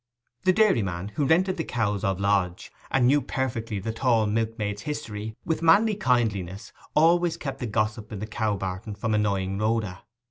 The dairyman, who rented the cows of Lodge, and knew perfectly the tall milkmaid's history, with manly kindliness always kept the gossip in the cow barton from annoying Rhoda.